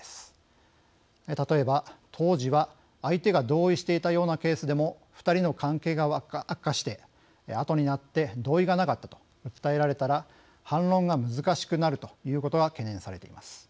例えば当時は相手が同意していたようなケースでも２人の関係が悪化してあとになって同意がなかったと訴えられたら反論が難しくなるということが懸念されています。